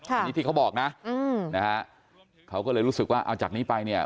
อันนี้ที่เขาบอกนะเขาก็เลยรู้สึกว่าเอาจากนี้ไปเนี่ย